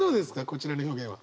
こちらの表現は。